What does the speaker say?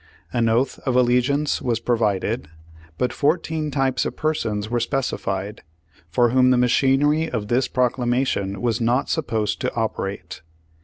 An oath of allegiance was pro vided, but fourteen types of persons were speci fied, for v/hom the machinery of this proclamation was not supposed to operate.